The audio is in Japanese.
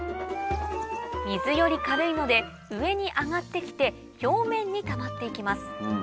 水より軽いので上に上がって来て表面にたまって行きます